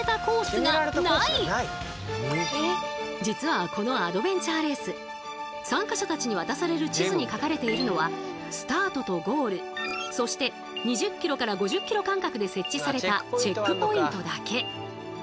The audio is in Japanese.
実はこのアドベンチャーレース参加者たちに渡される地図に書かれているのはスタートとゴールそして２０ｋｍから５０ｋｍ間隔で設置されたチェックポイントだけ。